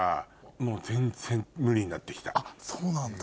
あっそうなんだ。